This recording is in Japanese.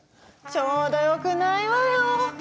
ちょうどよくないわよ！